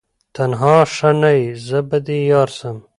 تنها ښه نه یې زه به دي یارسم